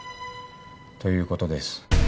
ということです。